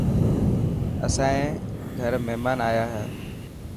اسائي گھر مهمان آيا هي.